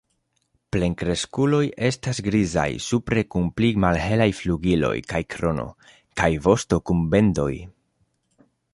Plenkreskuloj estas grizaj supre kun pli malhelaj flugiloj kaj krono, kaj vosto kun bendoj.